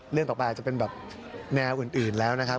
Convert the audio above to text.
เรื่องต่อไปก็คงเป็นแนวอื่นแล้วนะครับ